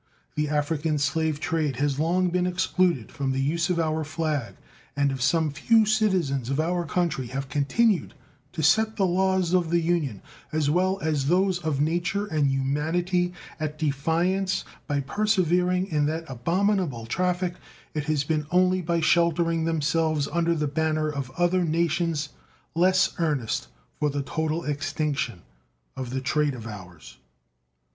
The African slave trade has long been excluded from the use of our flag, and if some few citizens of our country have continued to set the laws of the Union as well as those of nature and humanity at defiance by persevering in that abominable traffic, it has been only by sheltering themselves under the banners of other nations less earnest for the total extinction of the trade of ours.